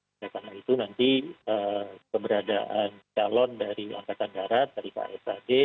oleh karena itu nanti keberadaan calon dari angkatan darat dari ksad